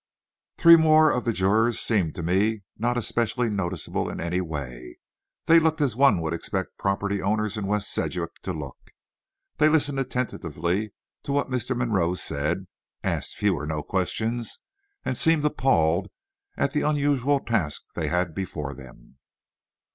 Three more of the jurors seemed to me not especially noticeable in any way. They looked as one would expect property owners in West Sedgwick to look. They listened attentively to what Mr. Monroe said, asked few or no questions, and seemed appalled at the unusual task they had before them.